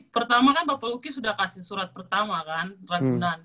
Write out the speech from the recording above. pertama kan bapak luki sudah kasih surat pertama kan ragunan